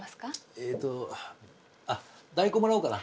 えっとあっ大根もらおうかな。